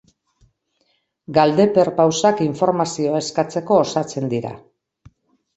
Galde-perpausak informazioa eskatzeko osatzen dira.